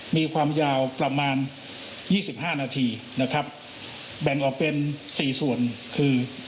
มีความยาวประมาณยี่สิบห้านาทีนะครับแบ่งออกเป็นสี่ส่วนคือ